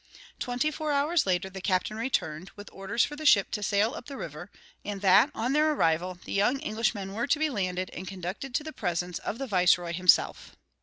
Twenty four hours later the captain returned, with orders for the ship to sail up the river; and that, on their arrival, the young Englishmen were to be landed and conducted to the presence of the viceroy himself.